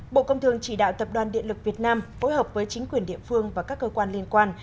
bộ công thương chỉ đạo tập đoàn điện lực việt nam phối hợp với chính quyền địa phương và các cơ quan liên quan